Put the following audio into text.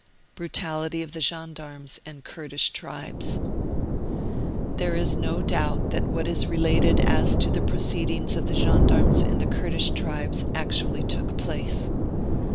BRUTALITY OF THE GENDARMES AND KURDISH TRIBES. There is no doubt that what is related as to the proceedings of the gendarmes and the Kurdish tribes actually took place.